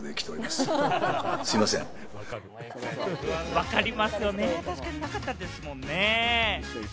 分かりますね、確かになかったですもんね。